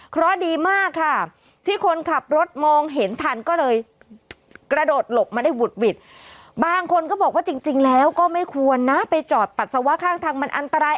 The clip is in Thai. เพราะดีมากค่ะที่คนขับรถมองเห็นทันก็เลยกระโดดหลบมาได้หวุดหวิดบางคนก็บอกว่าจริงแล้วก็ไม่ควรนะไปจอดปัสสาวะข้างทางมันอันตราย